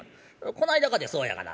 こないだかてそうやがな。